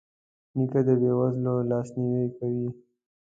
نیکه د بې وزلو لاسنیوی کوي.